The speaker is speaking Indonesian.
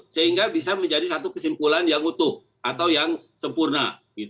sehingga bisa menjadi satu kesimpulan yang utuh atau yang sempurna